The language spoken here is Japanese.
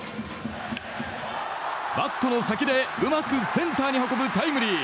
バットの先でうまくセンターに運ぶタイムリー。